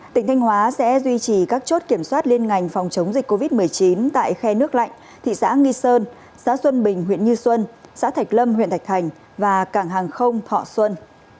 tỉnh thanh hóa sẽ duy trì các chốt kiểm soát liên ngành phòng chống dịch covid một mươi chín tại khe nước lạnh thị xã nghi sơn xã xuân bình huyện như xuân xã thạch lâm huyện thạch thành và cảng hàng không thọ xuân